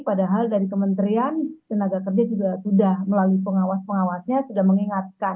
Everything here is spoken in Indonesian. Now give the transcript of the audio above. padahal dari kementerian tenaga kerja juga sudah melalui pengawas pengawasnya sudah mengingatkan